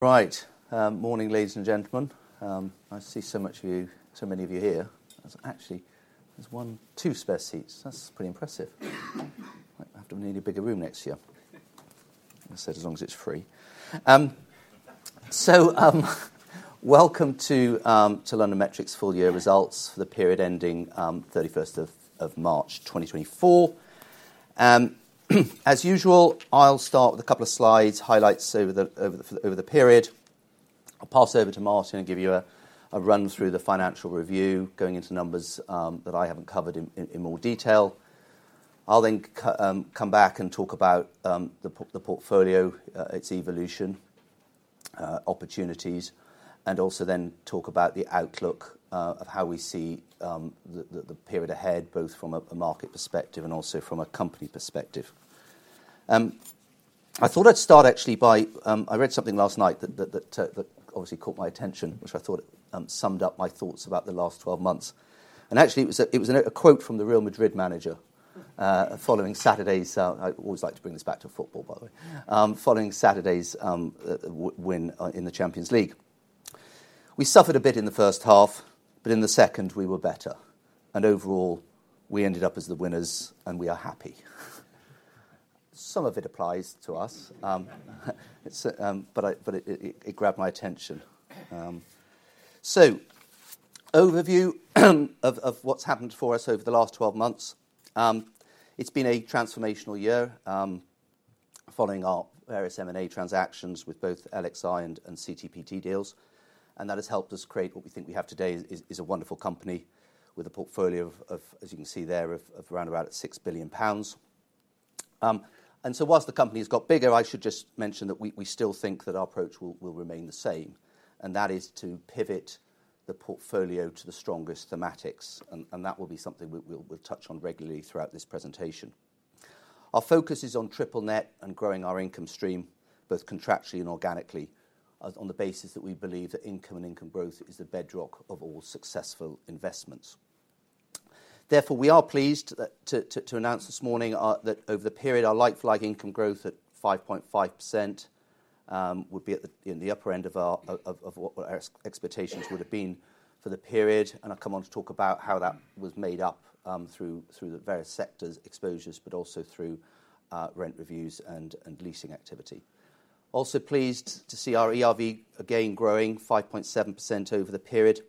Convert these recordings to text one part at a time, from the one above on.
Right. Morning, ladies and gentlemen. I see so much of you, so many of you here. There's actually one, two spare seats. That's pretty impressive. Might have to need a bigger room next year. That's as long as it's free. So, welcome to LondonMetric's full year results for the period ending 31st of March 2024. As usual, I'll start with a couple of slides, highlights over the period. I'll pass over to Martin and give you a run through the financial review, going into numbers that I haven't covered in more detail. I'll then come back and talk about the portfolio, its evolution, opportunities, and also then talk about the outlook of how we see the period ahead, both from a market perspective and also from a company perspective. I thought I'd start actually by... I read something last night that obviously caught my attention, which I thought summed up my thoughts about the last 12 months. And actually, it was a quote from the Real Madrid manager following Saturday's. I always like to bring this back to football, by the way, following Saturday's win in the Champions League. We suffered a bit in the first half, but in the second, we were better, and overall, we ended up as the winners, and we are happy." Some of it applies to us. But it grabbed my attention. So overview of what's happened for us over the last 12 months. It's been a transformational year following our various M&A transactions with both LXi and CTPT deals, and that has helped us create what we think we have today is a wonderful company with a portfolio of, as you can see there, around about 6 billion pounds. And so while the company has got bigger, I should just mention that we still think that our approach will remain the same, and that is to pivot the portfolio to the strongest thematics, and that will be something we'll touch on regularly throughout this presentation. Our focus is on triple net and growing our income stream, both contractually and organically, on the basis that we believe that income and income growth is the bedrock of all successful investments. Therefore, we are pleased to announce this morning that over the period, our like-for-like income growth at 5.5% would be at the in the upper end of our of what our expectations would have been for the period, and I'll come on to talk about how that was made up through the various sectors, exposures, but also through rent reviews and leasing activity. Also pleased to see our ERV again growing 5.7% over the period,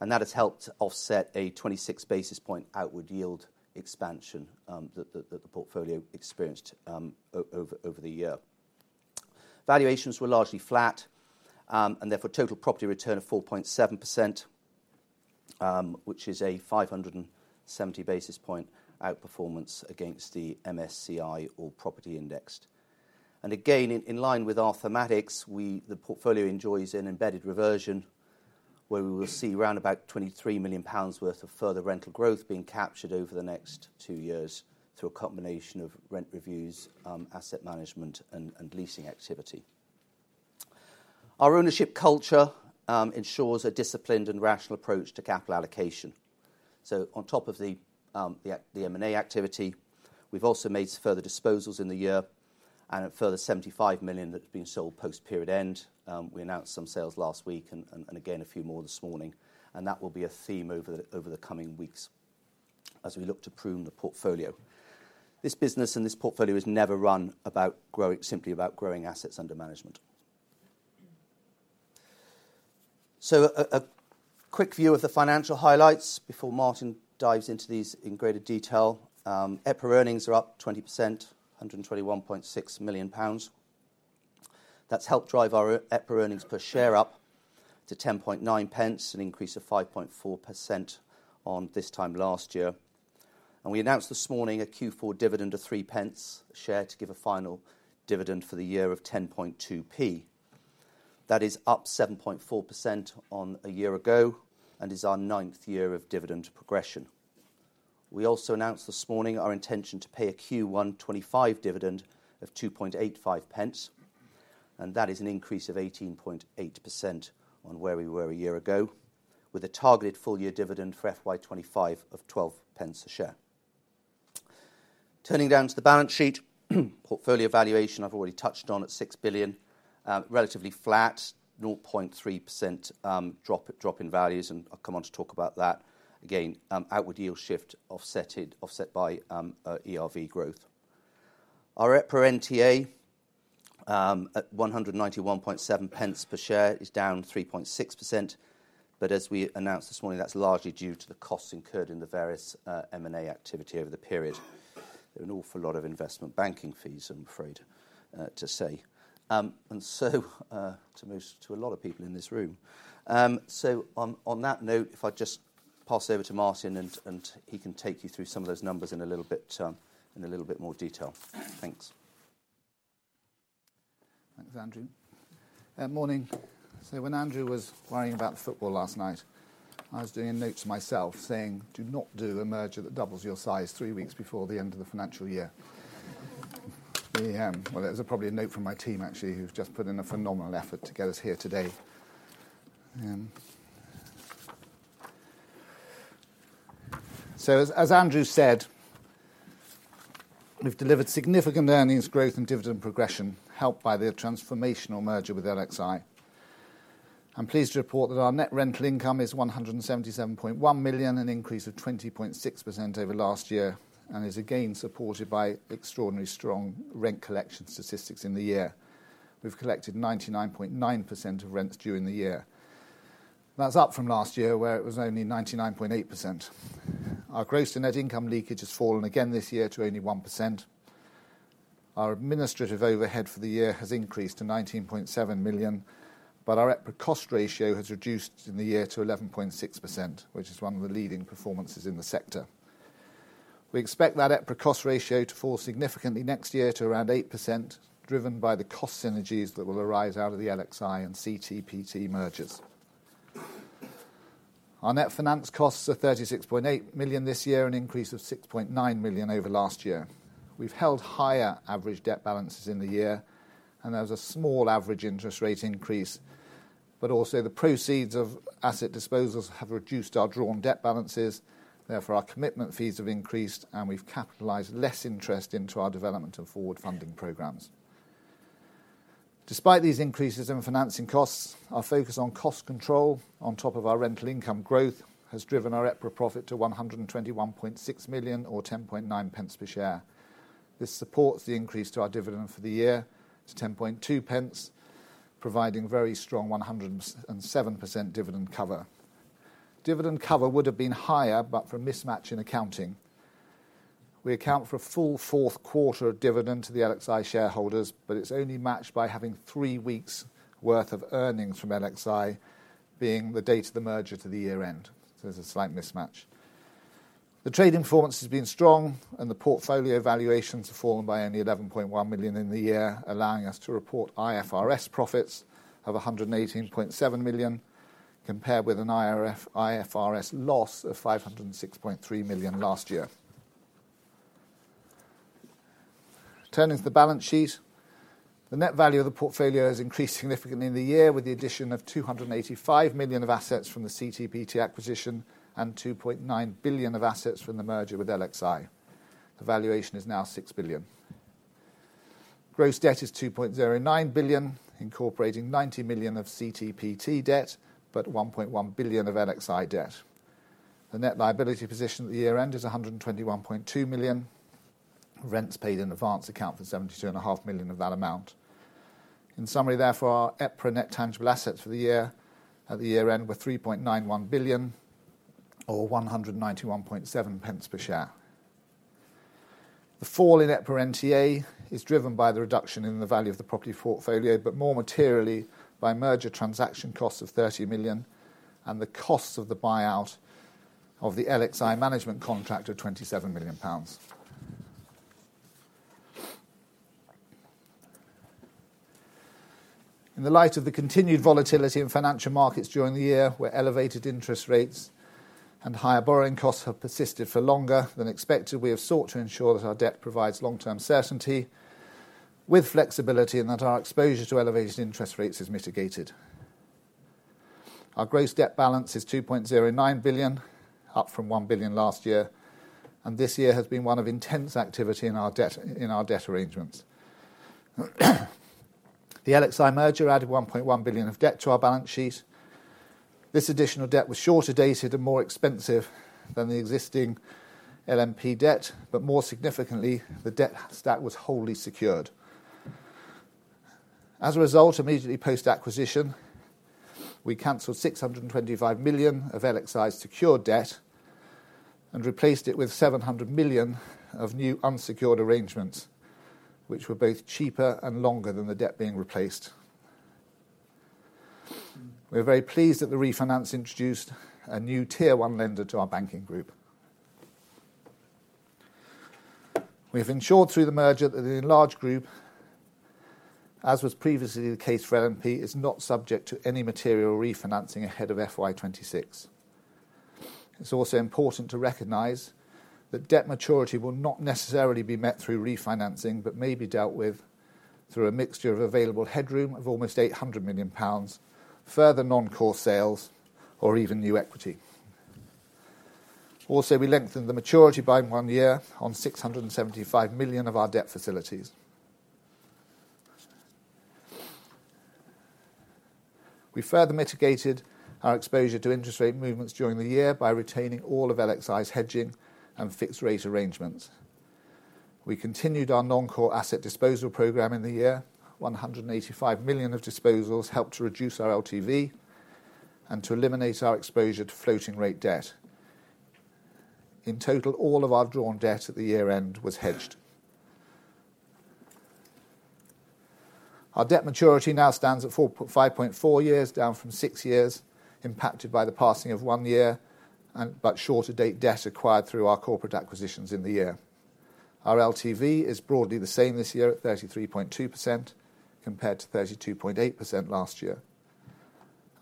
and that has helped offset a 26 basis point outward yield expansion that the that the portfolio experienced over the year. Valuations were largely flat, and therefore, total property return of 4.7%, which is a 570 basis point outperformance against the MSCI All Property Index. In line with our thematics, the portfolio enjoys an embedded reversion, where we will see around about 23 million pounds worth of further rental growth being captured over the next two years through a combination of rent reviews, asset management, and leasing activity. Our ownership culture ensures a disciplined and rational approach to capital allocation. So on top of the M&A activity, we've also made further disposals in the year and a further 75 million that have been sold post-period end. We announced some sales last week, and again, a few more this morning, and that will be a theme over the coming weeks as we look to prune the portfolio. This business and this portfolio is never run about growing, simply about growing assets under management. A quick view of the financial highlights before Martin dives into these in greater detail. EPRA earnings are up 20%, 121.6 million pounds. That's helped drive our EPRA earnings per share up to 10.9 pence, an increase of 5.4% on this time last year. We announced this morning a Q4 dividend of 3 pence a share to give a final dividend for the year of 10.2p. That is up 7.4% on a year ago and is our ninth year of dividend progression. We also announced this morning our intention to pay a Q1 2025 dividend of 2.85 pence, and that is an increase of 18.8% on where we were a year ago, with a targeted full-year dividend for FY 2025 of 12 pence a share. Turning down to the balance sheet. Portfolio valuation, I've already touched on, at 6 billion. Relatively flat, 0.3% drop in values, and I'll come on to talk about that. Again, outward yield shift offset by ERV growth. Our EPRA NTA at 191.7 pence per share is down 3.6%, but as we announced this morning, that's largely due to the costs incurred in the various M&A activity over the period. There were an awful lot of investment banking fees, I'm afraid, to say. And so, to a lot of people in this room. So on that note, if I just pass over to Martin, and he can take you through some of those numbers in a little bit, in a little bit more detail. Thanks. Thanks, Andrew. Morning. So when Andrew was worrying about the football last night, I was doing notes myself, saying: "Do not do a merger that doubles your size three weeks before the end of the financial year." Well, that was probably a note from my team, actually, who've just put in a phenomenal effort to get us here today. So, as Andrew said, we've delivered significant earnings growth and dividend progression, helped by the transformational merger with LXi. I'm pleased to report that our net rental income is 177.1 million, an increase of 20.6% over last year, and is again supported by extraordinarily strong rent collection statistics in the year. We've collected 99.9% of rents during the year. That's up from last year, where it was only 99.8%. Our gross and net income leakage has fallen again this year to only 1%. Our administrative overhead for the year has increased to 19.7 million, but our EPRA cost ratio has reduced in the year to 11.6%, which is one of the leading performances in the sector. We expect that EPRA cost ratio to fall significantly next year to around 8%, driven by the cost synergies that will arise out of the LXi and CTPT mergers. Our net finance costs are 36.8 million this year, an increase of 6.9 million over last year. We've held higher average debt balances in the year, and there was a small average interest rate increase, but also the proceeds of asset disposals have reduced our drawn debt balances. Therefore, our commitment fees have increased, and we've capitalized less interest into our development and forward funding programs. Despite these increases in financing costs, our focus on cost control, on top of our rental income growth, has driven our EPRA profit to 121.6 million or 10.9 pence per share. This supports the increase to our dividend for the year to 10.2 pence, providing very strong 107% dividend cover. Dividend cover would have been higher, but for a mismatch in accounting. We account for a full fourth quarter of dividend to the LXi shareholders, but it's only matched by having three weeks' worth of earnings from LXi, being the date of the merger to the year-end. So there's a slight mismatch. The trading performance has been strong, and the portfolio valuations have fallen by only 11.1 million in the year, allowing us to report IFRS profits of 118.7 million, compared with an IFRS loss of 506.3 million last year. Turning to the balance sheet, the net value of the portfolio has increased significantly in the year, with the addition of 285 million of assets from the CTPT acquisition and 2.9 billion of assets from the merger with LXi. The valuation is now 6 billion. Gross debt is 2.09 billion, incorporating 90 million of CTPT debt, but 1.1 billion of LXi debt. The net liability position at the year-end is 121.2 million. Rents paid in advance account for 72.5 million of that amount. In summary, therefore, our EPRA Net Tangible Assets for the year, at the year-end, were 3.91 billion or 1.917 per share. The fall in EPRA NTA is driven by the reduction in the value of the property portfolio, but more materially by merger transaction costs of 30 million and the costs of the buyout of the LXi management contract of 27 million pounds. In the light of the continued volatility in financial markets during the year, where elevated interest rates and higher borrowing costs have persisted for longer than expected, we have sought to ensure that our debt provides long-term certainty, with flexibility, and that our exposure to elevated interest rates is mitigated. Our gross debt balance is 2.09 billion, up from 1 billion last year, and this year has been one of intense activity in our debt, in our debt arrangements. The LXi merger added 1.1 billion of debt to our balance sheet. This additional debt was shorter dated and more expensive than the existing LMP debt, but more significantly, the debt stack was wholly secured. As a result, immediately post-acquisition, we canceled 625 million of LXi's secured debt and replaced it with 700 million of new unsecured arrangements, which were both cheaper and longer than the debt being replaced. We're very pleased that the refinance introduced a new Tier One lender to our banking group. We have ensured through the merger that the enlarged group, as was previously the case for LMP, is not subject to any material refinancing ahead of FY 2026. It's also important to recognize that debt maturity will not necessarily be met through refinancing, but may be dealt with through a mixture of available headroom of almost 800 million pounds, further non-core sales, or even new equity. Also, we lengthened the maturity by one year on 675 million of our debt facilities. We further mitigated our exposure to interest rate movements during the year by retaining all of LXi's hedging and fixed-rate arrangements. We continued our non-core asset disposal program in the year. 185 million of disposals helped to reduce our LTV and to eliminate our exposure to floating rate debt. In total, all of our drawn debt at the year-end was hedged. Our debt maturity now stands at 5.4 years, down from 6 years, impacted by the passing of one year and by shorter-date debt acquired through our corporate acquisitions in the year. Our LTV is broadly the same this year at 33.2%, compared to 32.8% last year.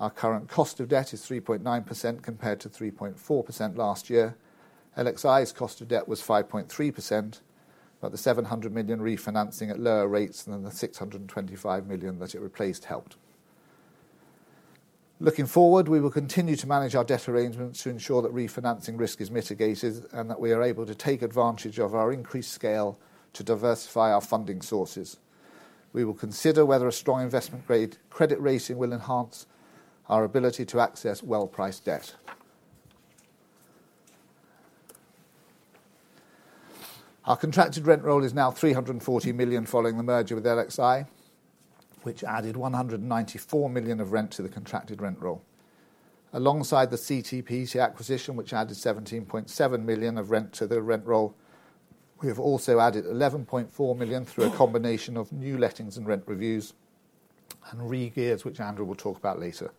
Our current cost of debt is 3.9%, compared to 3.4% last year. LXi's cost of debt was 5.3%, but the 700 million refinancing at lower rates than the 625 million that it replaced helped. Looking forward, we will continue to manage our debt arrangements to ensure that refinancing risk is mitigated and that we are able to take advantage of our increased scale to diversify our funding sources. We will consider whether a strong investment-grade credit rating will enhance our ability to access well-priced debt. Our contracted rent roll is now 340 million following the merger with LXi, which added 194 million of rent to the contracted rent roll. Alongside the CTPT acquisition, which added 17.7 million of rent to the rent roll, we have also added 11.4 million through a combination of new lettings and rent reviews, and re-gears, which Andrew will talk about later.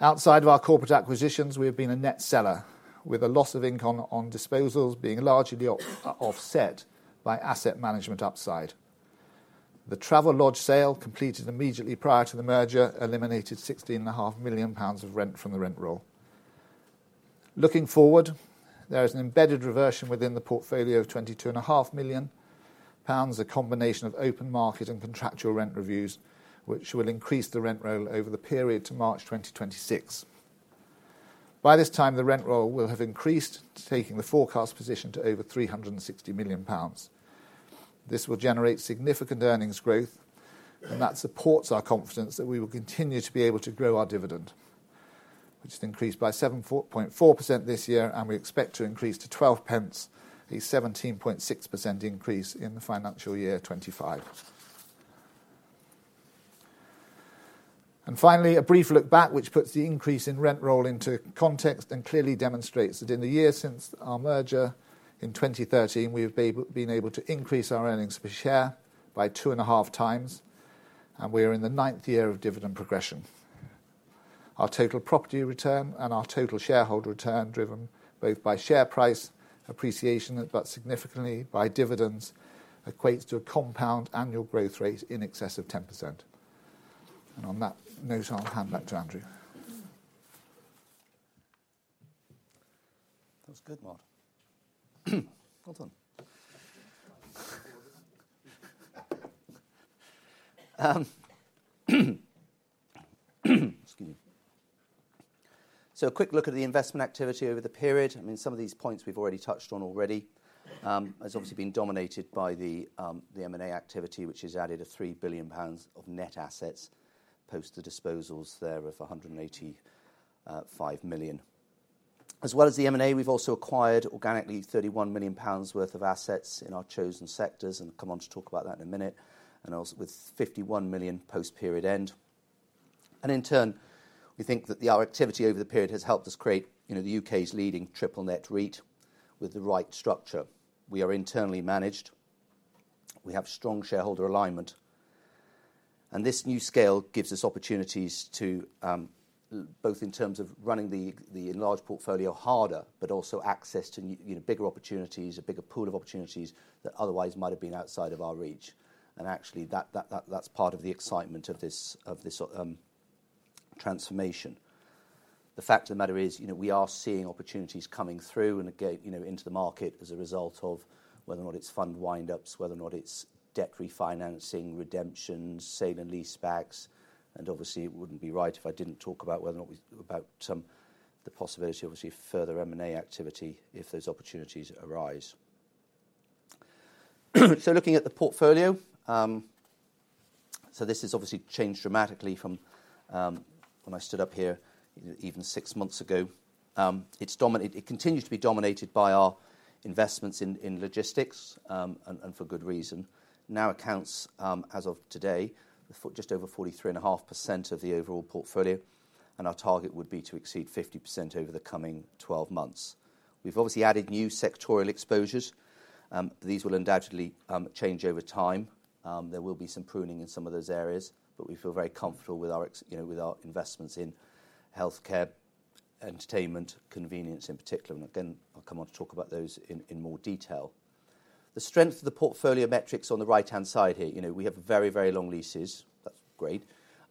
Outside of our corporate acquisitions, we have been a net seller, with a loss of income on disposals being largely offset by asset management upside. The Travelodge sale, completed immediately prior to the merger, eliminated 16.5 million pounds of rent from the rent roll. Looking forward, there is an embedded reversion within the portfolio of 22.5 million pounds, a combination of open market and contractual rent reviews, which will increase the rent roll over the period to March 2026. By this time, the rent roll will have increased, taking the forecast position to over 360 million pounds. This will generate significant earnings growth, and that supports our confidence that we will continue to be able to grow our dividend, which has increased by 7.4% this year, and we expect to increase to 12 pence, a 17.6% increase in the financial year 2025. And finally, a brief look back, which puts the increase in rent roll into context and clearly demonstrates that in the year since our merger in 2013, we have been able to increase our earnings per share by 2.5x, and we are in the ninth year of dividend progression. Our total property return and our total shareholder return, driven both by share price appreciation, but significantly by dividends, equates to a compound annual growth rate in excess of 10%. And on that note, I'll hand back to Andrew. That's good, Martin. Well done. Excuse me. So a quick look at the investment activity over the period. I mean, some of these points we've already touched on already. It's obviously been dominated by the M&A activity, which has added 3 billion pounds of net assets, post the disposals there of 185 million. As well as the M&A, we've also acquired organically 31 million pounds worth of assets in our chosen sectors, and come on to talk about that in a minute, and also with 51 million post-period end. And in turn, we think that the, our activity over the period has helped us create, you know, the UK's leading triple net REIT with the right structure. We are internally managed. We have strong shareholder alignment, and this new scale gives us opportunities to both in terms of running the enlarged portfolio harder, but also access to new, you know, bigger opportunities, a bigger pool of opportunities that otherwise might have been outside of our reach. And actually, that's part of the excitement of this transformation. The fact of the matter is, you know, we are seeing opportunities coming through and, again, you know, into the market as a result of whether or not it's fund wind-ups, whether or not it's debt refinancing, redemptions, sale and leasebacks. And obviously, it wouldn't be right if I didn't talk about the possibility, obviously, of further M&A activity if those opportunities arise. Looking at the portfolio, this has obviously changed dramatically from when I stood up here, even six months ago. It's dominated. It continues to be dominated by our investments in logistics, and for good reason. It now accounts, as of today, for just over 43.5% of the overall portfolio, and our target would be to exceed 50% over the coming 12 months. We've obviously added new sectoral exposures. These will undoubtedly change over time. There will be some pruning in some of those areas, but we feel very comfortable with our ex-you know, with our investments in healthcare, entertainment, convenience in particular. And again, I'll come on to talk about those in more detail. The strength of the portfolio metrics on the right-hand side here, you know, we have very, very long leases. That's great.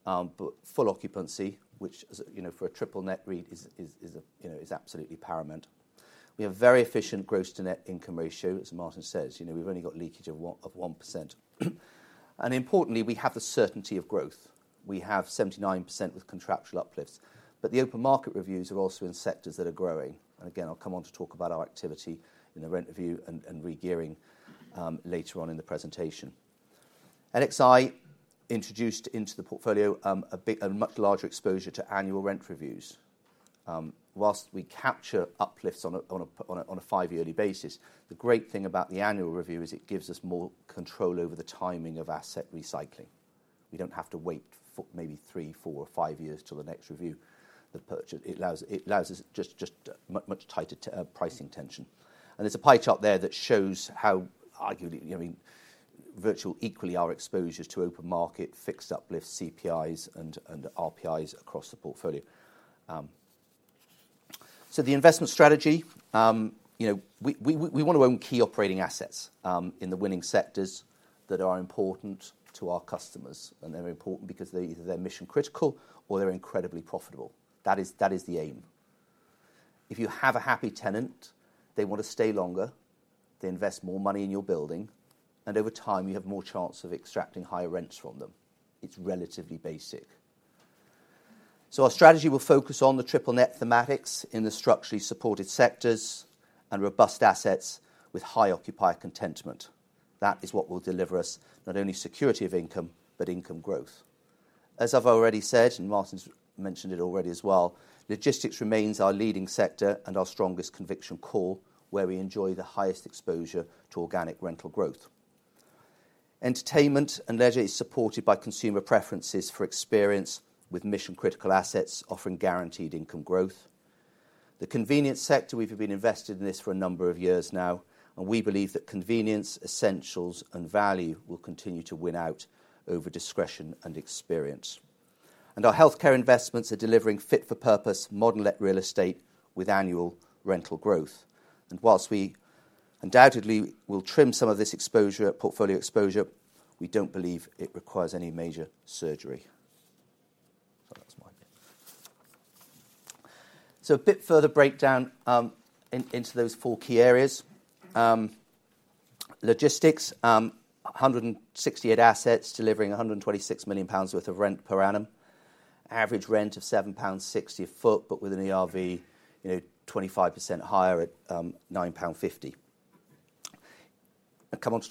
But full occupancy, which, as, you know, for a triple net REIT is, is, is, you know, is absolutely paramount. We have very efficient gross to net income ratio, as Martin says, you know, we've only got leakage of 1, of 1%. And importantly, we have the certainty of growth. We have 79% with contractual uplifts, but the open market reviews are also in sectors that are growing. And again, I'll come on to talk about our activity in the rent review and, and regearing, later on in the presentation. LXi introduced into the portfolio, a big, a much larger exposure to annual rent reviews. While we capture uplifts on a 5-yearly basis, the great thing about the annual review is it gives us more control over the timing of asset recycling. We don't have to wait for maybe 3, 4, or 5 years till the next review. The purchase- it allows us just much tighter pricing tension. And there's a pie chart there that shows how, arguably, I mean, virtually equally our exposures to open market, fixed uplifts, CPIs and RPIs across the portfolio. So the investment strategy, you know, we want to own key operating assets in the winning sectors that are important to our customers, and they're important because they're either mission critical or they're incredibly profitable. That is the aim. If you have a happy tenant, they want to stay longer, they invest more money in your building, and over time, you have more chance of extracting higher rents from them. It's relatively basic. So our strategy will focus on the triple net thematics in the structurally supported sectors and robust assets with high occupier contentment. That is what will deliver us not only security of income, but income growth. As I've already said, and Martin's mentioned it already as well, logistics remains our leading sector and our strongest conviction call, where we enjoy the highest exposure to organic rental growth. Entertainment and leisure is supported by consumer preferences for experience, with mission-critical assets offering guaranteed income growth. The convenience sector, we've been invested in this for a number of years now, and we believe that convenience, essentials, and value will continue to win out over discretion and experience. Our healthcare investments are delivering fit-for-purpose, modern-let real estate with annual rental growth. While we undoubtedly will trim some of this exposure, portfolio exposure, we don't believe it requires any major surgery. That's my bit. A bit further breakdown into those four key areas. Logistics, 168 assets delivering 126 million pounds worth of rent per annum. Average rent of 7.60 pounds a sq ft, but with an ERV, you know, 25% higher at 9.50 pound.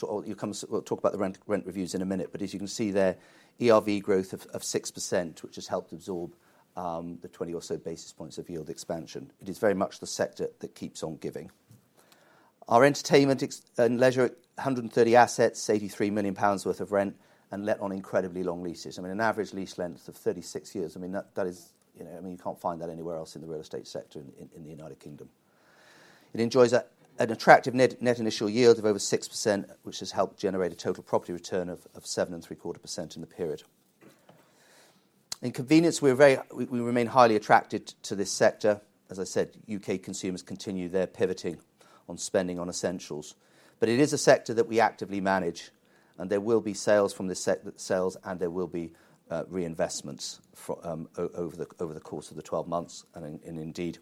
We'll talk about the rent reviews in a minute, but as you can see there, ERV growth of 6%, which has helped absorb the twenty or so basis points of yield expansion. It is very much the sector that keeps on giving. Our entertainment ex... and leisure, 130 assets, 83 million pounds worth of rent, and let on incredibly long leases. I mean, an average lease length of 36 years, I mean, that is, you know, I mean, you can't find that anywhere else in the real estate sector in the United Kingdom. It enjoys an attractive net initial yield of over 6%, which has helped generate a total property return of 7.75% in the period. In convenience, we remain highly attracted to this sector. As I said, UK consumers continue their pivoting on spending on essentials. But it is a sector that we actively manage, and there will be sales from the sector sales, and there will be reinvestments for over the course of the 12 months, and indeed,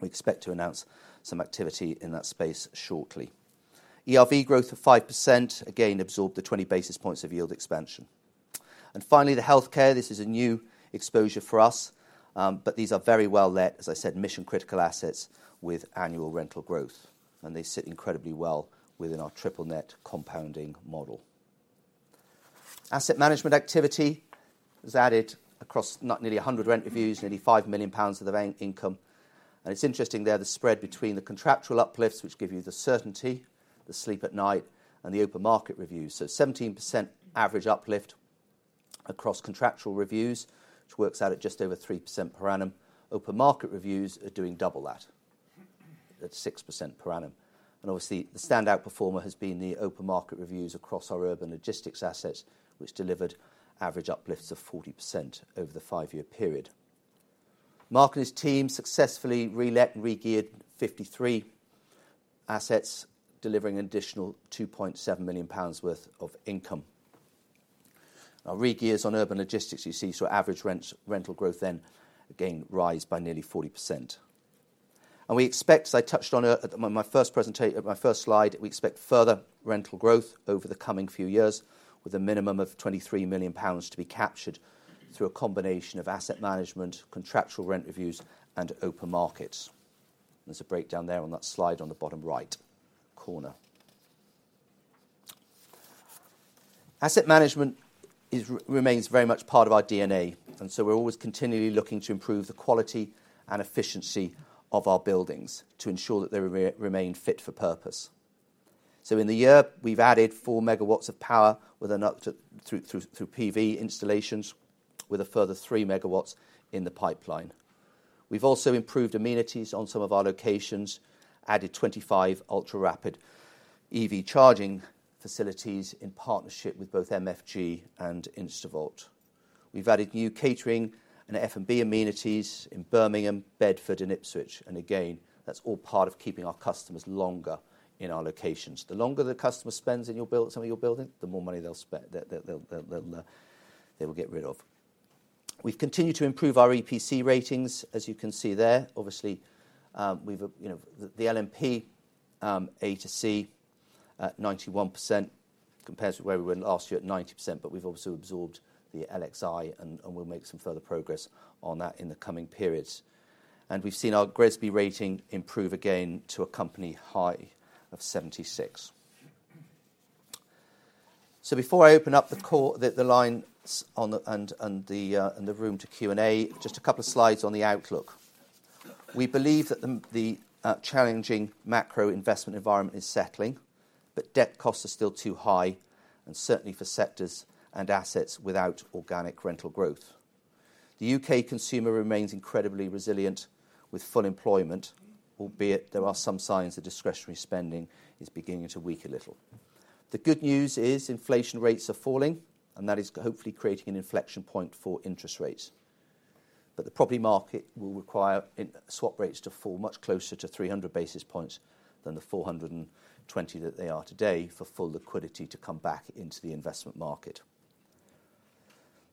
we expect to announce some activity in that space shortly. ERV growth of 5%, again, absorbed the 20 basis points of yield expansion. And finally, the healthcare, this is a new exposure for us, but these are very well let, as I said, mission-critical assets with annual rental growth, and they sit incredibly well within our triple net compounding model. Asset management activity has added across nearly 100 rent reviews, nearly 5 million pounds worth of rent income. And it's interesting there, the spread between the contractual uplifts, which give you the certainty, the sleep at night, and the open market reviews. So 17% average uplift across contractual reviews, which works out at just over 3% per annum. Open market reviews are doing double that, at 6% per annum. And obviously, the standout performer has been the open market reviews across our urban logistics assets, which delivered average uplifts of 40% over the 5-year period. Mark and his team successfully relet and regeared 53 assets, delivering an additional 2.7 million pounds worth of income. Our regears on urban logistics, you see, saw average rents, rental growth then again rise by nearly 40%. And we expect, as I touched on at my first slide, we expect further rental growth over the coming few years, with a minimum of 23 million pounds to be captured through a combination of asset management, contractual rent reviews, and open markets. There's a breakdown there on that slide on the bottom right corner. Asset management remains very much part of our DNA, and so we're always continually looking to improve the quality and efficiency of our buildings to ensure that they remain fit for purpose. So in the year, we've added 4 MW of power with an uptake through PV installations, with a further 3 MW in the pipeline. We've also improved amenities on some of our locations, added 25 ultra-rapid EV charging facilities in partnership with both MFG and InstaVolt. We've added new catering and F&B amenities in Birmingham, Bedford, and Ipswich, and again, that's all part of keeping our customers longer in our locations. The longer the customer spends in some of your buildings, the more money they'll spend that they will get rid of. We've continued to improve our EPC ratings, as you can see there. Obviously, we've, you know, the LMP A to C at 91%, compares to where we were last year at 90%, but we've also absorbed the LXi, and we'll make some further progress on that in the coming periods. And we've seen our GRESB rating improve again to a company high of 76. So before I open up the call, the lines and the room to Q&A, just a couple of slides on the outlook. We believe that the challenging macro investment environment is settling, but debt costs are still too high, and certainly for sectors and assets without organic rental growth. The UK consumer remains incredibly resilient with full employment, albeit there are some signs that discretionary spending is beginning to weaken a little. The good news is, inflation rates are falling, and that is hopefully creating an inflection point for interest rates. But the property market will require swap rates to fall much closer to 300 basis points than the 420 that they are today for full liquidity to come back into the investment market...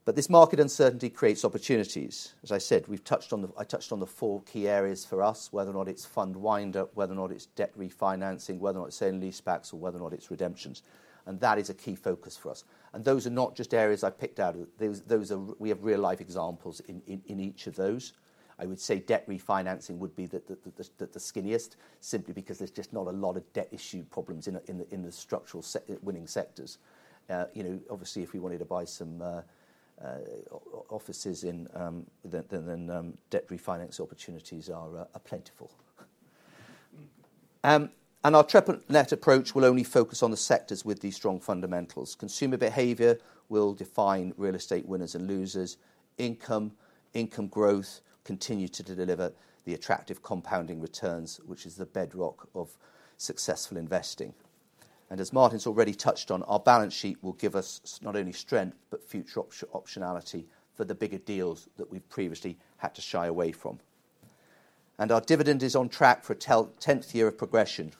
but this market uncertainty creates opportunities. As I said, we've touched on the four key areas for us, whether or not it's fund wind-up, whether or not it's debt refinancing, whether or not it's sale and leasebacks, or whether or not it's redemptions, and that is a key focus for us. And those are not just areas I picked out. Those are we have real-life examples in each of those. I would say debt refinancing would be the skinniest, simply because there's just not a lot of debt issue problems in the structural sector-winning sectors. You know, obviously, if we wanted to buy some offices in, then debt refinance opportunities are plentiful. And our triple net approach will only focus on the sectors with these strong fundamentals. Consumer behavior will define real estate winners and losers, income growth continue to deliver the attractive compounding returns, which is the bedrock of successful investing. And as Martin's already touched on, our balance sheet will give us not only strength, but future optionality for the bigger deals that we've previously had to shy away from. And our dividend is on track for a tenth year of progression.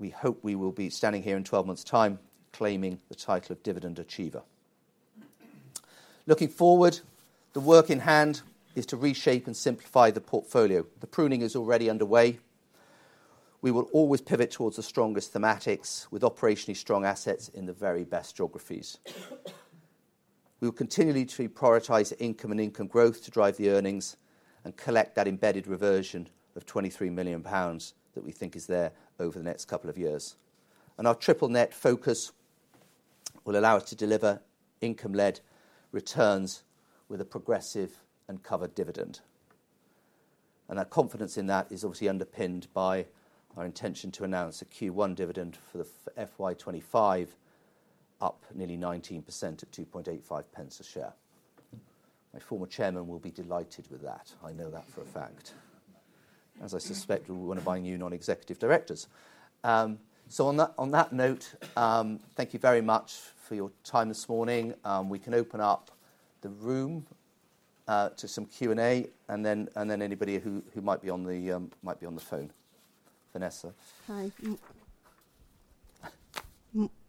We hope we will be standing here in 12 months' time, claiming the title of dividend achiever. Looking forward, the work in hand is to reshape and simplify the portfolio. The pruning is already underway. We will always pivot towards the strongest thematics, with operationally strong assets in the very best geographies. We will continue to prioritize income and income growth to drive the earnings and collect that embedded reversion of 23 million pounds that we think is there over the next couple of years. And our triple net focus will allow us to deliver income-led returns with a progressive and covered dividend. And our confidence in that is obviously underpinned by our intention to announce a Q1 dividend for the FY 2025, up nearly 19% at 0.0285 a share. My former chairman will be delighted with that. I know that for a fact. As I suspect, one of my new non-executive directors. So on that note, thank you very much for your time this morning. We can open up the room to some Q&A, and then anybody who might be on the phone. Vanessa? Hi.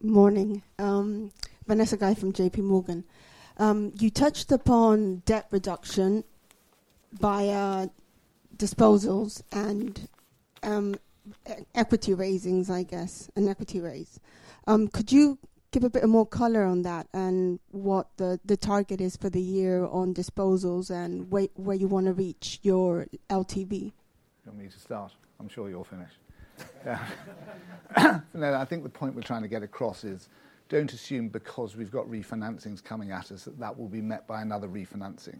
Morning, Vanessa Qui from J.P. Morgan. You touched upon debt reduction via disposals and, equity raisings, I guess, an equity raise. Could you give a bit more color on that, and what the target is for the year on disposals and where you wanna reach your LTV? You want me to start? I'm sure you'll finish. No, I think the point we're trying to get across is, don't assume because we've got refinancings coming at us, that that will be met by another refinancing.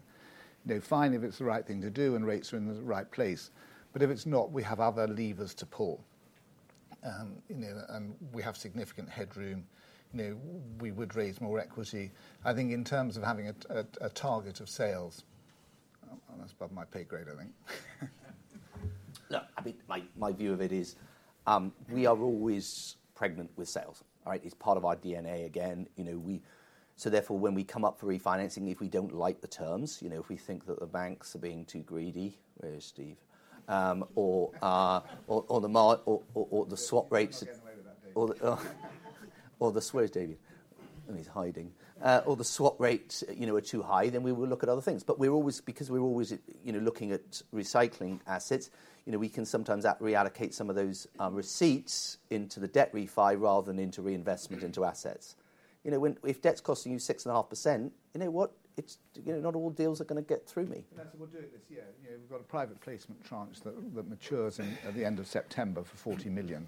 You know, fine, if it's the right thing to do and rates are in the right place, but if it's not, we have other levers to pull. You know, and we have significant headroom. You know, we would raise more equity. I think in terms of having a target of sales, well, that's above my pay grade, I think. Look, I think my view of it is, we are always pregnant with sales. All right? It's part of our DNA again. You know, we, so therefore, when we come up for refinancing, if we don't like the terms, you know, if we think that the banks are being too greedy... Where is Steve? Or the market or the swap rates- You're not getting away with that, David. Or, Where's David? Oh, he's hiding. Or the swap rates, you know, are too high, then we will look at other things. But we're always, because we're always, you know, looking at recycling assets, you know, we can sometimes reallocate some of those receipts into the debt refi, rather than into reinvestment into assets. You know, when if debt's costing you 6.5%, you know what? It's, you know, not all deals are gonna get through me. Vanessa, we're doing this, yeah. You know, we've got a private placement tranche that matures in at the end of September for 40 million.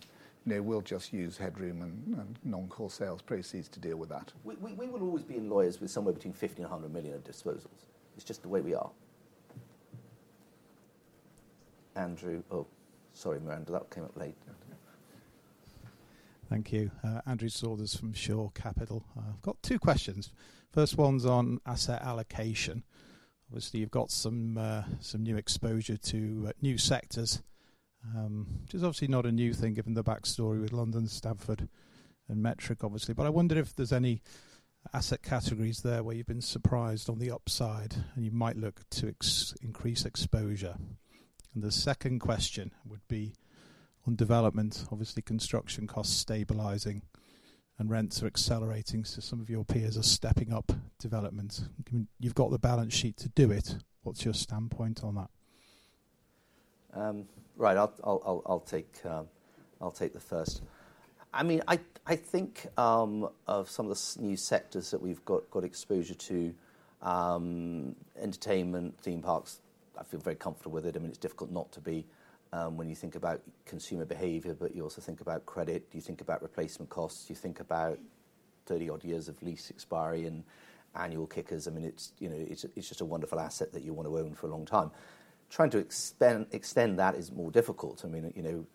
You know, we'll just use headroom and non-core sales proceeds to deal with that. We will always be in lawyers with somewhere between 50 million and 100 million of disposals. It's just the way we are. Andrew. Oh, sorry, Miranda, that came up late. Thank you. Andrew Saunders from Shore Capital. I've got two questions. First one's on asset allocation. Obviously, you've got some some new exposure to new sectors, which is obviously not a new thing, given the backstory with LondonMetric, obviously. But I wonder if there's any asset categories there, where you've been surprised on the upside, and you might look to increase exposure. And the second question would be on development. Obviously, construction costs stabilizing and rents are accelerating, so some of your peers are stepping up development. I mean, you've got the balance sheet to do it. What's your standpoint on that? Right. I'll take the first. I mean, I think of some of the new sectors that we've got exposure to, entertainment, theme parks. I feel very comfortable with it. I mean, it's difficult not to be, when you think about consumer behavior, but you also think about credit, you think about replacement costs, you think about 30-odd years of lease expiry and annual kickers. I mean, you know, it's just a wonderful asset that you wanna own for a long time. Trying to extend that is more difficult. I mean, you know,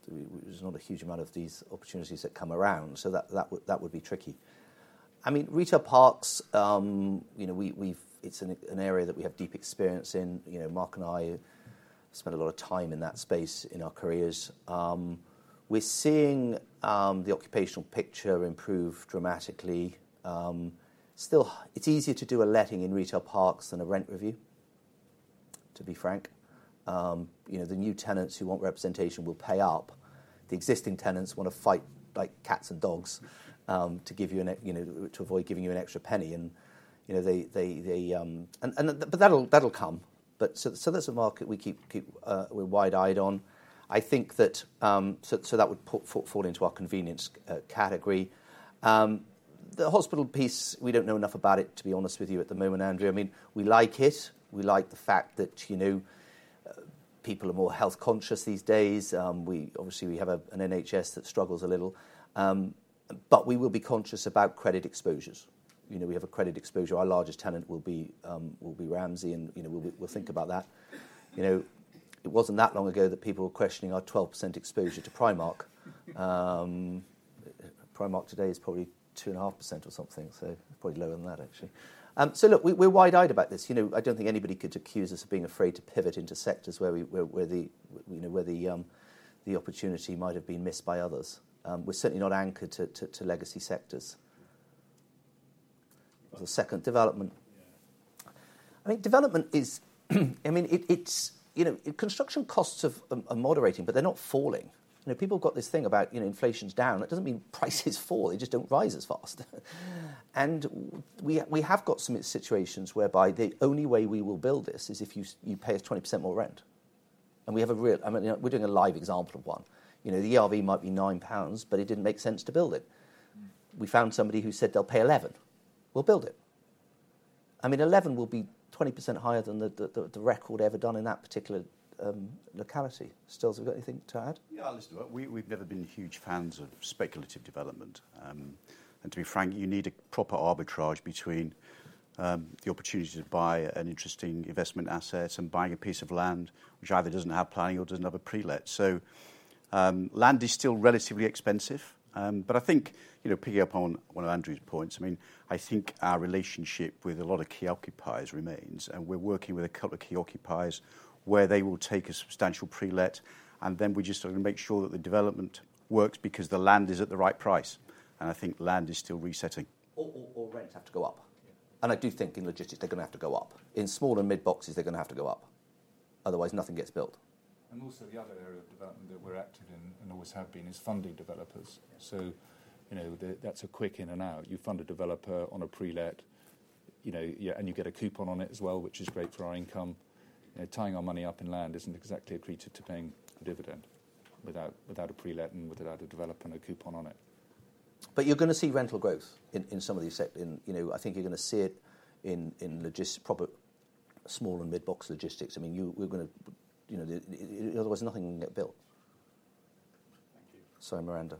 there's not a huge amount of these opportunities that come around, so that would be tricky. I mean, retail parks, you know, we've... It's an area that we have deep experience in. You know, Mark and I spent a lot of time in that space in our careers. We're seeing the occupational picture improve dramatically. Still, it's easier to do a letting in retail parks than a rent review... to be frank, you know, the new tenants who want representation will pay up. The existing tenants wanna fight like cats and dogs, to give you an, you know, to avoid giving you an extra penny, and, you know, they, they, they... And, and, but that'll, that'll come. But so, so that's a market we keep, keep, we're wide-eyed on. I think that, so, so that would put, fall into our convenience category. The hospital piece, we don't know enough about it, to be honest with you, at the moment, Andrew. I mean, we like it. We like the fact that, you know, people are more health-conscious these days. Obviously, we have a, an NHS that struggles a little. But we will be conscious about credit exposures. You know, we have a credit exposure. Our largest tenant will be Ramsay, and, you know, we'll, we'll think about that. You know, it wasn't that long ago that people were questioning our 12% exposure to Primark. Primark today is probably 2.5% or something, so probably lower than that, actually. So look, we, we're wide-eyed about this. You know, I don't think anybody could accuse us of being afraid to pivot into sectors where the opportunity might have been missed by others. We're certainly not anchored to legacy sectors. The second development? I think development is. I mean, it's, you know, construction costs are moderating, but they're not falling. You know, people have got this thing about, you know, inflation's down. It doesn't mean prices fall, they just don't rise as fast. And we have got some situations whereby the only way we will build this is if you pay us 20% more rent. And we have. I mean, we're doing a live example of one. You know, the ERV might be 9 pounds, but it didn't make sense to build it. We found somebody who said they'll pay 11. We'll build it. I mean, 11 will be 20% higher than the record ever done in that particular locality. Stirling, have you got anything to add? Yeah, listen, we've never been huge fans of speculative development. And to be frank, you need a proper arbitrage between the opportunity to buy an interesting investment asset and buying a piece of land which either doesn't have planning or doesn't have a pre-let. So, land is still relatively expensive, but I think, you know, picking up on one of Andrew's points, I mean, I think our relationship with a lot of key occupiers remains, and we're working with a couple of key occupiers where they will take a substantial pre-let, and then we just sort of make sure that the development works because the land is at the right price, and I think land is still resetting. Or rents have to go up. Yeah. I do think in logistics, they're gonna have to go up. In small and mid boxes, they're gonna have to go up, otherwise nothing gets built. Also, the other area of development that we're active in, and always have been, is funding developers. So, you know, that's a quick in and out. You fund a developer on a pre-let, you know, yeah, and you get a coupon on it as well, which is great for our income. You know, tying our money up in land isn't exactly accretive to paying a dividend, without a pre-let and without a developer and a coupon on it. But you're gonna see rental growth in some of these sectors and, you know, I think you're gonna see it in logistics properties, small and mid-box logistics. I mean, we're gonna, you know, otherwise nothing can get built. Thank you. Sorry, Miranda.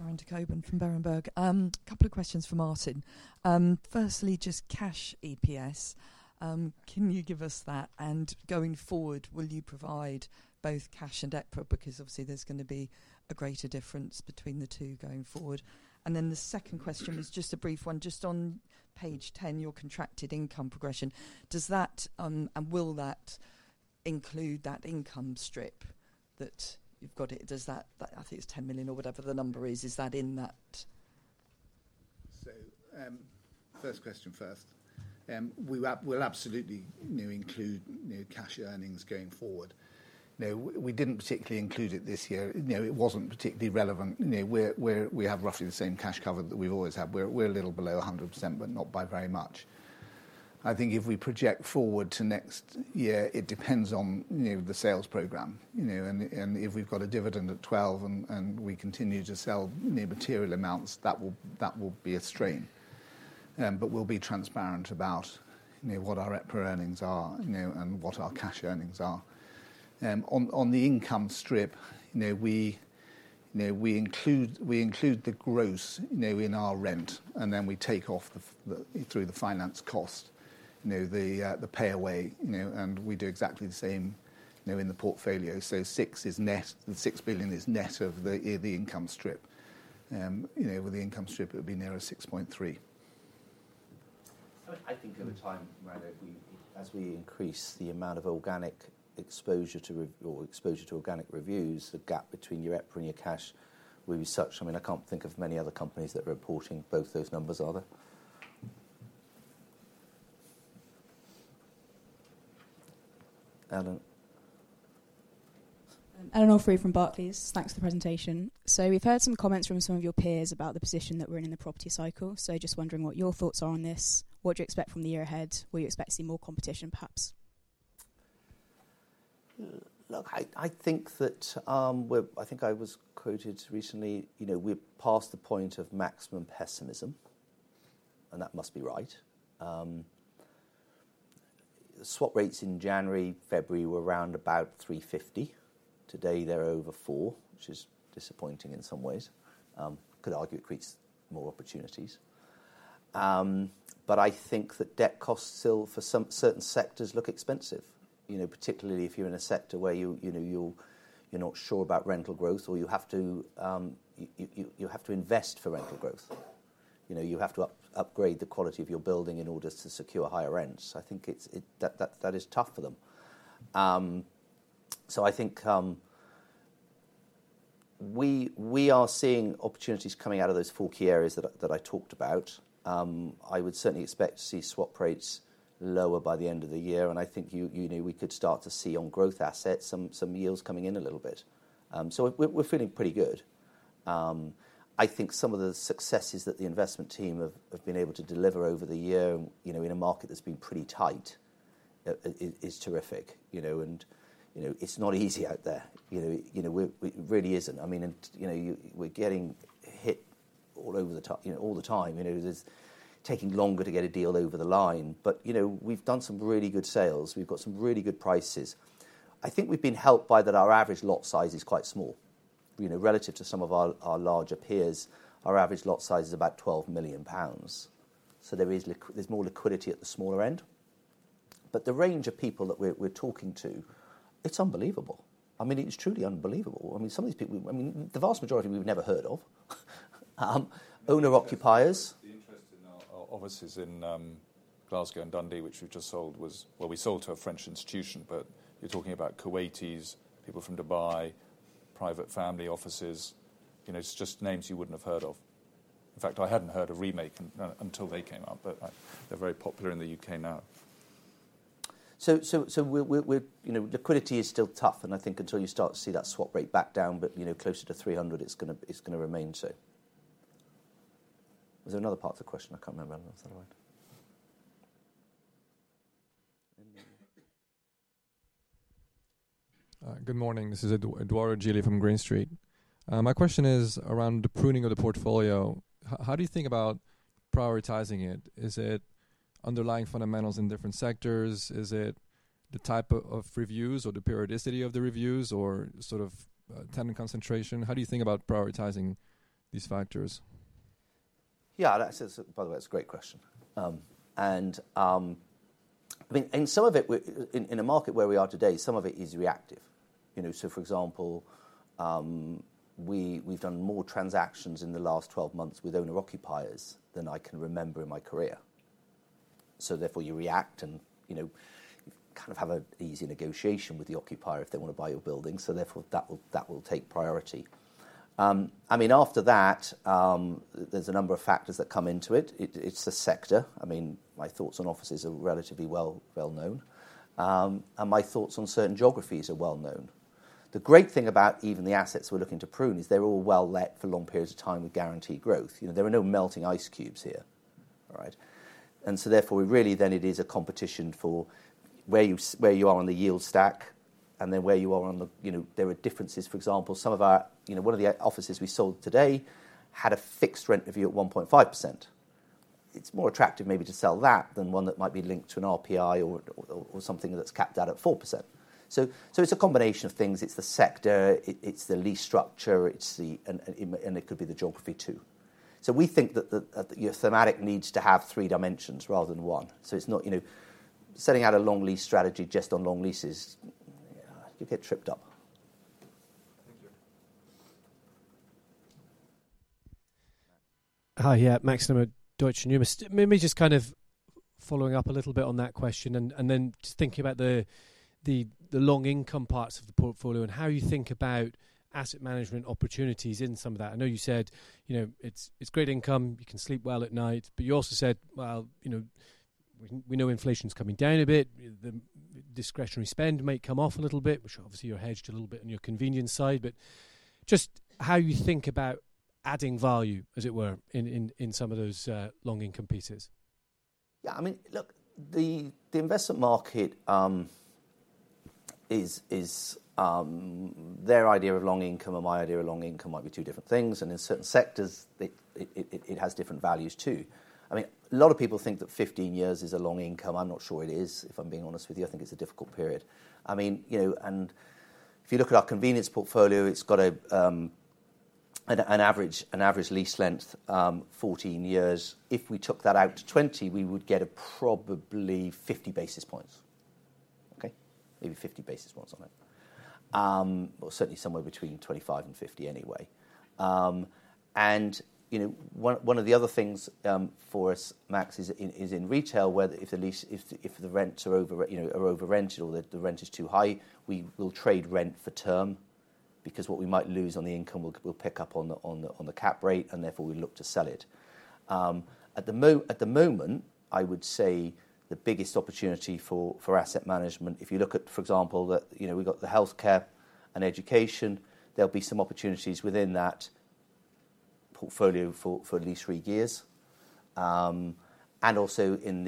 Miranda Cockburn from Berenberg. A couple of questions for Martin. Firstly, just cash EPS. Can you give us that? And going forward, will you provide both cash and EPRA, because obviously there's gonna be a greater difference between the two going forward. And then the second question is just a brief one. Just on page 10, your contracted income progression, does that and will that include that income strip that you've got it? Does that, that I think it's 10 million or whatever the number is, is that in that? So, first question first. We will absolutely, you know, include, you know, cash earnings going forward. You know, we didn't particularly include it this year. You know, it wasn't particularly relevant. You know, we're, we have roughly the same cash cover that we've always had. We're a little below 100%, but not by very much. I think if we project forward to next year, it depends on, you know, the sales program. You know, and if we've got a dividend at 12, and we continue to sell, you know, material amounts, that will be a strain. But we'll be transparent about, you know, what our EPRA earnings are, you know, and what our cash earnings are. On the income strip, you know, we, you know, we include, we include the gross, you know, in our rent, and then we take off the, through the finance cost, you know, the, the pay away, you know, and we do exactly the same, you know, in the portfolio. So 6 is net, the 6 billion is net of the income strip. You know, with the income strip, it would be nearer 6.3 billion. I think over time, Miranda, we as we increase the amount of organic exposure to rent reviews, the gap between your EPRA and your cash will be such. I mean, I can't think of many other companies that are reporting both those numbers, are there? Alan. Ellen Alfrey from Barclays. Thanks for the presentation. So we've heard some comments from some of your peers about the position that we're in in the property cycle. So just wondering what your thoughts are on this, what do you expect from the year ahead? Will you expect to see more competition, perhaps? Look, I think that I was quoted recently, you know, we're past the point of maximum pessimism, and that must be right. Swap rates in January, February were around about 3.50. Today, they're over 4, which is disappointing in some ways. Could argue it creates more opportunities. But I think that debt costs still, for some certain sectors, look expensive. You know, particularly if you're in a sector where you know, you're not sure about rental growth, or you have to invest for rental growth. You know, you have to upgrade the quality of your building in order to secure higher rents. I think that is tough for them. So I think... We are seeing opportunities coming out of those four key areas that I talked about. I would certainly expect to see swap rates lower by the end of the year, and I think you know, we could start to see on growth assets, some yields coming in a little bit. So we're feeling pretty good. I think some of the successes that the investment team have been able to deliver over the year, you know, in a market that's been pretty tight, is terrific, you know. And, you know, it's not easy out there. You know, it really isn't. I mean, you know, we're getting hit all over the top, you know, all the time. You know, it is taking longer to get a deal over the line. But, you know, we've done some really good sales. We've got some really good prices. I think we've been helped by that our average lot size is quite small. You know, relative to some of our, our larger peers, our average lot size is about 12 million pounds. So there is... There's more liquidity at the smaller end. But the range of people that we're, we're talking to, it's unbelievable. I mean, it's truly unbelievable. I mean, some of these people, I mean, the vast majority we've never heard of. Owner-occupiers- The interest in our offices in Glasgow and Dundee, which we've just sold, was... Well, we sold to a French institution, but you're talking about Kuwaitis, people from Dubai, private family offices. You know, it's just names you wouldn't have heard of. In fact, I hadn't heard of Remake until they came out, but they're very popular in the UK now. So we're, you know, liquidity is still tough, and I think until you start to see that swap rate back down, but, you know, closer to 300, it's gonna remain so. Was there another part of the question? I can't remember now if there were. Good morning. This is Eduardo Gilly from Green Street. My question is around the pruning of the portfolio. How do you think about prioritizing it? Is it underlying fundamentals in different sectors? Is it the type of reviews or the periodicity of the reviews, or sort of, tenant concentration? How do you think about prioritizing these factors? Yeah, that's, by the way, it's a great question. And some of it in a market where we are today, some of it is reactive. You know, so for example, we've done more transactions in the last 12 months with owner-occupiers than I can remember in my career. So therefore, you react and, you know, kind of have an easy negotiation with the occupier if they want to buy your building. So therefore, that will take priority. I mean, after that, there's a number of factors that come into it. It's the sector. I mean, my thoughts on offices are relatively well-known, and my thoughts on certain geographies are well-known. The great thing about even the assets we're looking to prune is they're all well let for long periods of time with guaranteed growth. You know, there are no melting ice cubes here. All right? And so therefore, we really then it is a competition for where you are on the yield stack, and then where you are on the... You know, there are differences. For example, some of our, you know, one of the offices we sold today had a fixed rent review at 1.5%. It's more attractive maybe to sell that than one that might be linked to an RPI or something that's capped out at 4%. So it's a combination of things: it's the sector, it's the lease structure, it's the... and it could be the geography, too. So we think that your thematic needs to have three dimensions rather than one. So it's not, you know, setting out a long lease strategy just on long leases, you get tripped up. Thank you. Hi, yeah, Max Nimmo, Deutsche Numis. Maybe just kind of following up a little bit on that question and, and then just thinking about the, the, the long income parts of the portfolio and how you think about asset management opportunities in some of that. I know you said, you know, it's, it's great income, you can sleep well at night, but you also said, well, you know, we, we know inflation's coming down a bit, the, the discretionary spend may come off a little bit, which obviously you're hedged a little bit on your convenience side, but just how you think about adding value, as it were, in, in, in some of those long income pieces? Yeah, I mean, look, the investment market is. Their idea of long income and my idea of long income might be two different things, and in certain sectors, it has different values, too. I mean, a lot of people think that 15 years is a long income. I'm not sure it is, if I'm being honest with you. I think it's a difficult period. I mean, you know, and if you look at our convenience portfolio, it's got an average lease length 14 years. If we took that out to 20, we would get probably 50 basis points. Okay? Maybe 50 basis points on it. Well, certainly somewhere between 25 and 50 anyway. And, you know, one of the other things for us, Max, is in retail, whether if the lease - if the rents are over, you know, are over rented or the rent is too high, we will trade rent for term because what we might lose on the income, we'll pick up on the cap rate, and therefore, we look to sell it. At the moment, I would say the biggest opportunity for asset management, if you look at, for example, the, you know, we've got the healthcare and education, there'll be some opportunities within that portfolio for at least three years. And also in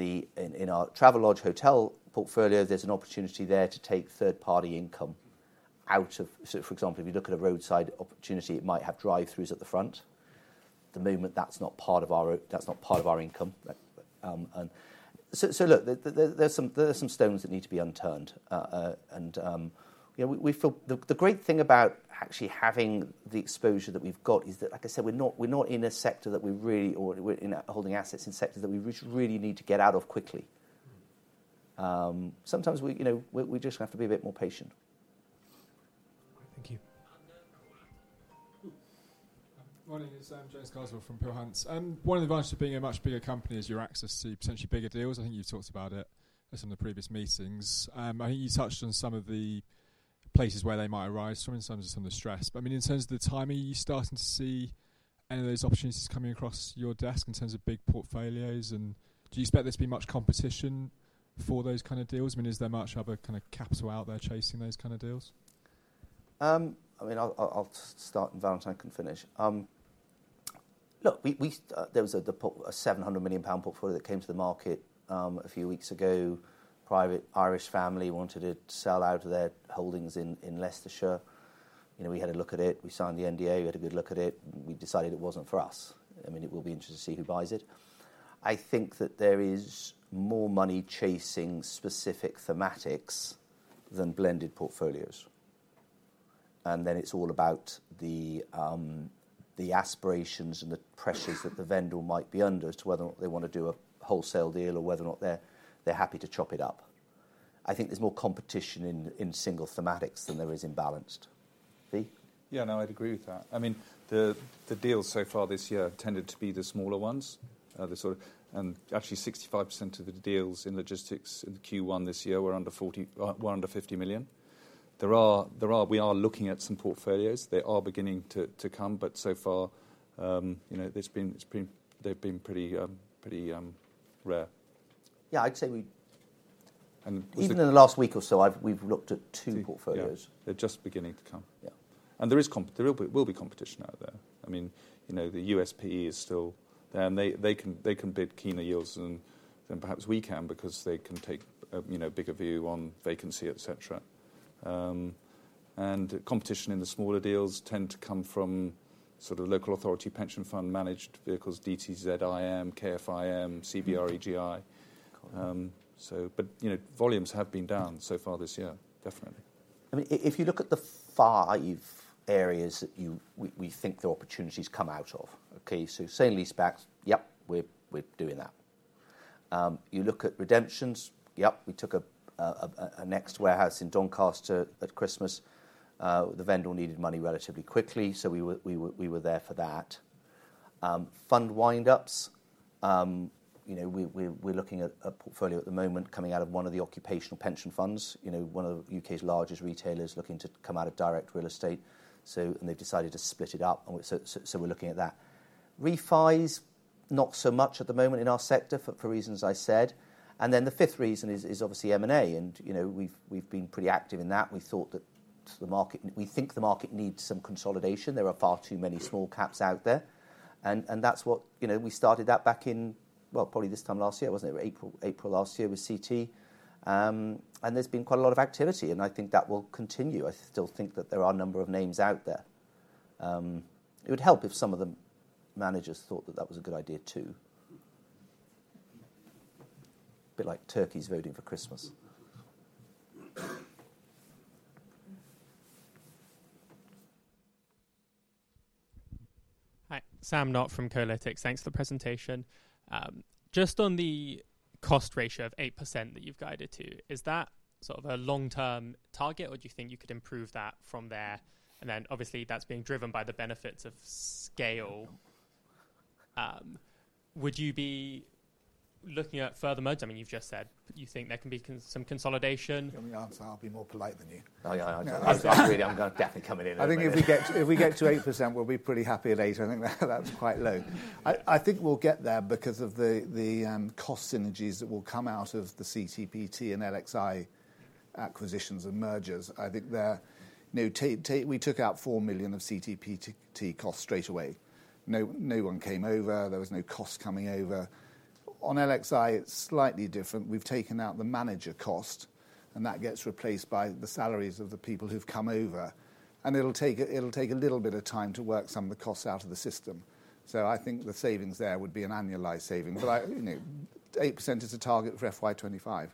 our Travelodge Hotel portfolio, there's an opportunity there to take third-party income out of... So for example, if you look at a roadside opportunity, it might have drive-throughs at the front. At the moment, that's not part of our income. And so, there are some stones that need to be unturned. You know, we feel... The great thing about actually having the exposure that we've got is that, like I said, we're not in a sector that we really or we're in a holding assets in sectors that we really need to get out of quickly. Sometimes we, you know, we just have to be a bit more patient. Thank you. ...My name is, James Carswell from Peel Hunt. One of the advantages of being a much bigger company is your access to potentially bigger deals. I think you talked about it at some of the previous meetings. I think you touched on some of the places where they might arise from in terms of some of the stress. But, I mean, in terms of the timing, are you starting to see any of those opportunities coming across your desk in terms of big portfolios? And do you expect there to be much competition for those kind of deals? I mean, is there much other kind of capital out there chasing those kind of deals? I mean, I'll start, and Valentine can finish. Look, there was a 700 million pound portfolio that came to the market, a few weeks ago. Private Irish family wanted to sell out of their holdings in Leicestershire. You know, we had a look at it. We signed the NDA. We had a good look at it, and we decided it wasn't for us. I mean, it will be interesting to see who buys it. I think that there is more money chasing specific thematics than blended portfolios. Then it's all about the aspirations and the pressures that the vendor might be under as to whether or not they want to do a wholesale deal or whether or not they're happy to chop it up. I think there's more competition in single thematics than there is in balanced. V? Yeah, no, I'd agree with that. I mean, the, the deals so far this year tended to be the smaller ones. The sort of... Actually, 65% of the deals in logistics in Q1 this year were under 40, were under 50 million. There are, there are- we are looking at some portfolios. They are beginning to, to come, but so far, you know, there's been, it's been, they've been pretty, pretty, rare. Yeah, I'd say we- And- Even in the last week or so, we've looked at two portfolios. Yeah. They're just beginning to come. Yeah. There will be, will be competition out there. I mean, you know, the US PE is still, they, they can, they can bid keener yields than, than perhaps we can because they can take a, you know, bigger view on vacancy, et cetera. And competition in the smaller deals tend to come from sort of local authority, pension fund, managed vehicles, DTZ IM, KFIM- Mm-hmm.... CBRE GI. So but, you know, volumes have been down so far this year, definitely. I mean, if you look at the five areas that you, we think the opportunities come out of, okay, so say leasebacks, yep, we're doing that. You look at redemptions, yep, we took a Next warehouse in Doncaster at Christmas. The vendor needed money relatively quickly, so we were there for that. Fund wind-ups, you know, we're looking at a portfolio at the moment coming out of one of the occupational pension funds, you know, one of the U.K.'s largest retailers looking to come out of direct real estate. So, and they've decided to split it up, and so, so, so we're looking at that. Refis, not so much at the moment in our sector for reasons I said. And then the fifth reason is obviously M&A, and, you know, we've been pretty active in that. We thought that the market... We think the market needs some consolidation. There are far too many small caps out there, and that's what, you know, we started that back in, well, probably this time last year, wasn't it? April last year with CT. And there's been quite a lot of activity, and I think that will continue. I still think that there are a number of names out there. It would help if some of the managers thought that that was a good idea, too. Bit like turkeys voting for Christmas. Hi, Sam Knott from Cavendish. Thanks for the presentation. Just on the cost ratio of 8% that you've guided to, is that sort of a long-term target, or do you think you could improve that from there? And then, obviously, that's being driven by the benefits of scale. Would you be looking at further—I mean, you've just said that you think there can be some consolidation. You want the answer, I'll be more polite than you. Oh, yeah, I, I agree. I'm gonna definitely come in a little bit. I think if we get to 8%, we'll be pretty happy at eight. I think that's quite low. I think we'll get there because of the cost synergies that will come out of the CTPT and LXi acquisitions and mergers. I think they're. You know, take, we took out 4 million of CTPT costs straight away. No, no one came over. There was no cost coming over. On LXi, it's slightly different. We've taken out the manager cost, and that gets replaced by the salaries of the people who've come over, and it'll take a little bit of time to work some of the costs out of the system. So I think the savings there would be an annualized saving, but I, you know, 8% is a target for FY 25.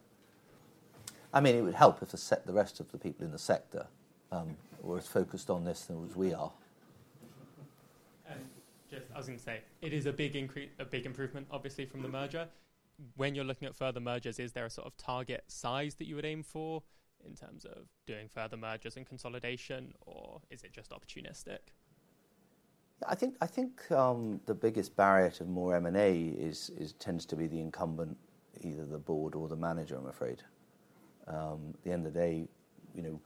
I mean, it would help if the set, the rest of the people in the sector, were as focused on this as we are. Just I was gonna say, it is a big increase, a big improvement, obviously, from the merger. When you're looking at further mergers, is there a sort of target size that you would aim for in terms of doing further mergers and consolidation, or is it just opportunistic? I think the biggest barrier to more M&A tends to be the incumbent, either the board or the manager, I'm afraid. At the end of the day, you know,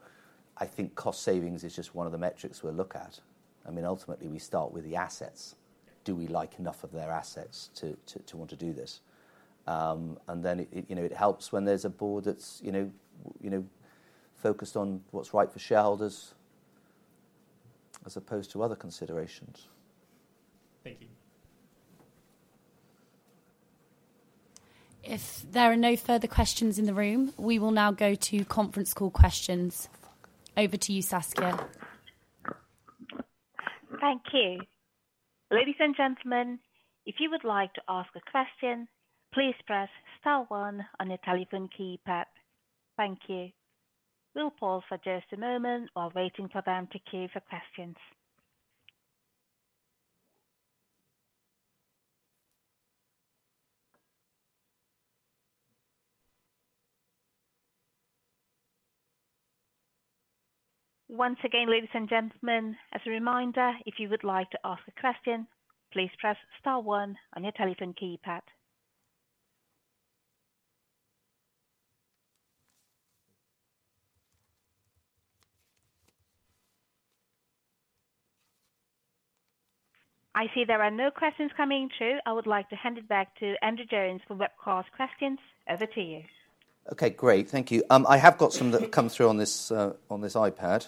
I think cost savings is just one of the metrics we'll look at. I mean, ultimately, we start with the assets. Do we like enough of their assets to want to do this? You know, it helps when there's a board that's, you know, focused on what's right for shareholders as opposed to other considerations. Thank you. If there are no further questions in the room, we will now go to conference call questions. Over to you, Saskia. Thank you. Ladies and gentlemen, if you would like to ask a question, please press star one on your telephone keypad. Thank you. We'll pause for just a moment while waiting for them to queue for questions... Once again, ladies and gentlemen, as a reminder, if you would like to ask a question, please press star one on your telephone keypad. I see there are no questions coming through. I would like to hand it back to Andrew Jones for webcast questions. Over to you. Okay, great. Thank you. I have got some that have come through on this, on this iPad.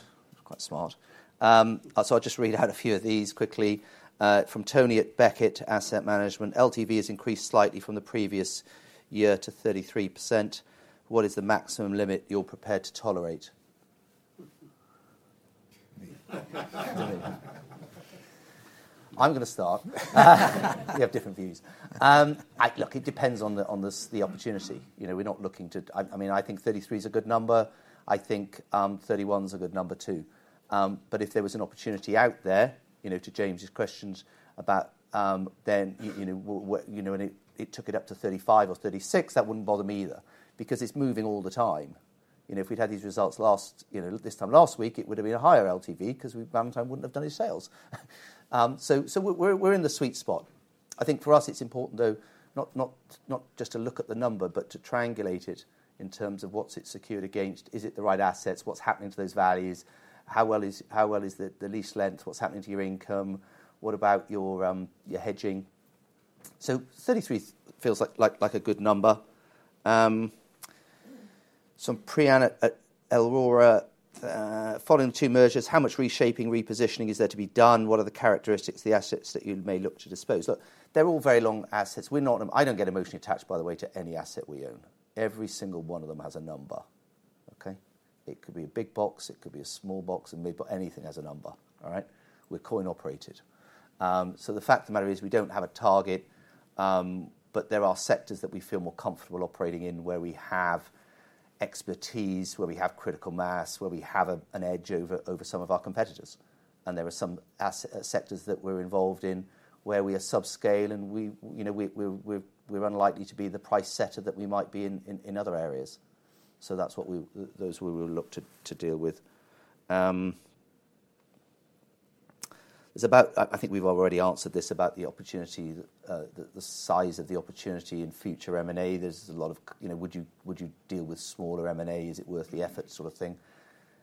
Quite smart. So I'll just read out a few of these quickly. From Tony at Beckett Asset Management: LTV has increased slightly from the previous year to 33%. What is the maximum limit you're prepared to tolerate? I'm gonna start. We have different views. Look, it depends on the, on the opportunity. You know, we're not looking to... I mean, I think 33 is a good number. I think, 31's a good number, too. But if there was an opportunity out there, you know, to James's questions about, then, you know, you know, and it, it took it up to 35 or 36, that wouldn't bother me either. Because it's moving all the time. You know, if we'd had these results last, you know, this time last week, it would have been a higher LTV because we, Valentine wouldn't have done any sales. So we're in the sweet spot. I think for us, it's important, though, not just to look at the number, but to triangulate it in terms of what's it secured against? Is it the right assets? What's happening to those values? How well is the lease length? What's happening to your income? What about your hedging? So 33 feels like a good number. So Priyanka at Aurora: Following two mergers, how much reshaping, repositioning is there to be done? What are the characteristics of the assets that you may look to dispose? Look, they're all very long assets. We're not... I don't get emotionally attached, by the way, to any asset we own. Every single one of them has a number. Okay? It could be a big box, it could be a small box, it may, but anything has a number. All right? We're coin operated. So the fact of the matter is, we don't have a target, but there are sectors that we feel more comfortable operating in, where we have expertise, where we have critical mass, where we have a, an edge over some of our competitors. And there are some sectors that we're involved in, where we are subscale, and you know, we're unlikely to be the price setter that we might be in other areas. So that's what we, those we will look to, to deal with. There's about... I think we've already answered this about the opportunity, the size of the opportunity in future M&A. There's a lot of, you know, would you deal with smaller M&A? Is it worth the effort sort of thing.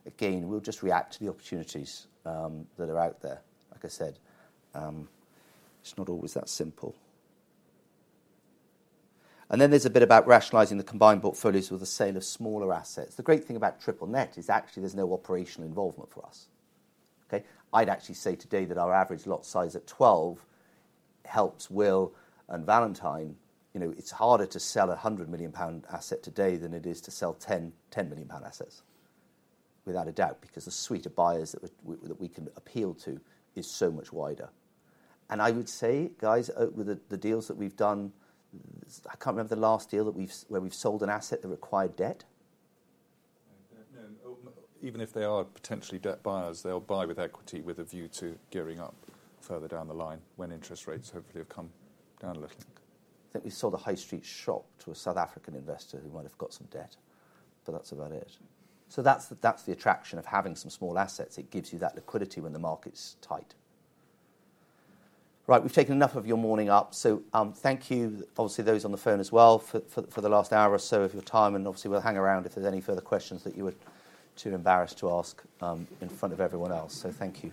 Again, we'll just react to the opportunities that are out there. Like I said, it's not always that simple. And then there's a bit about rationalizing the combined portfolios with the sale of smaller assets. The great thing about triple net is actually there's no operational involvement for us. Okay? I'd actually say today that our average lot size at 12 million helps Will and Valentine. You know, it's harder to sell a 100 million pound asset today than it is to sell 10 million pound assets. Without a doubt, because the suite of buyers that we can appeal to is so much wider. And I would say, guys, with the deals that we've done, I can't remember the last deal where we've sold an asset that required debt. Even if they are potentially debt buyers, they'll buy with equity, with a view to gearing up further down the line, when interest rates hopefully have come down a little. I think we sold a high street shop to a South African investor who might have got some debt, but that's about it. So that's the attraction of having some small assets. It gives you that liquidity when the market's tight. Right, we've taken enough of your morning up, so thank you. Obviously, those on the phone as well, for the last hour or so of your time, and obviously, we'll hang around if there's any further questions that you were too embarrassed to ask in front of everyone else. So thank you.